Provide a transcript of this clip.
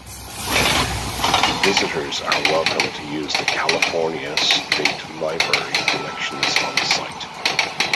Visitors are welcome to use the California State Library collections on site.